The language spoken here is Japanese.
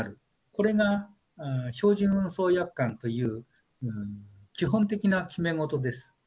これが標準運送約款という基本的な決めごとです。